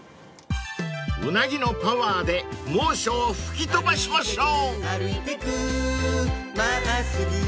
［うなぎのパワーで猛暑を吹き飛ばしましょう］